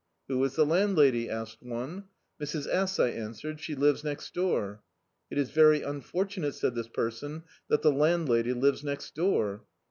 "Who is the landlady?" asked one. "Mrs. S," I answered; "she lives next door." "It is very unfortunate," said this person, "that the landlady lives next door."